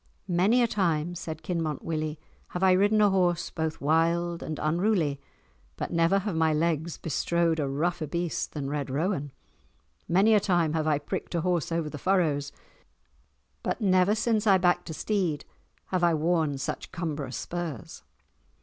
"Many a time," said Kinmont Willie, "have I ridden a horse both wild and unruly, but never have my legs bestrode a rougher beast than Red Rowan. Many a time have I pricked a horse over the furrows, but never since I backed a steed have I worn such cumbrous spurs."